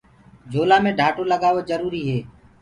جھولآ مي ڍآٽو لگآوو جروُريٚ هي۔